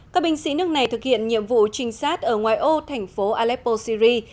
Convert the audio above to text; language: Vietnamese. các binh sĩ nước này thực hiện nhiệm vụ trinh sát ở ngoài ô thành phố aleppo syri